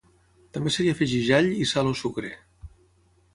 També se li afegeix all i sal o sucre.